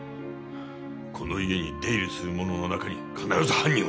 この家に出入りする者の中に必ず犯人はいる。